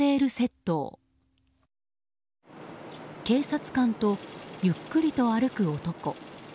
警察官とゆっくりと歩く男。